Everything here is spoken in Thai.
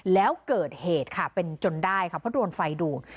แล้วเกิดเหตุค่ะเป็นจนได้ค่ะเพราะโดนไฟดูด